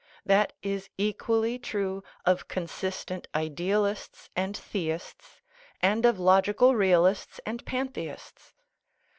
That is equally true of consist ent idealists and theists, and of logical realists and pantheists.